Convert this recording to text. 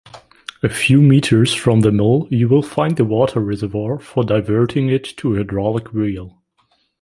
A few meters from the mill you will find the water reservoir for diverting it to a hydraulic wheel.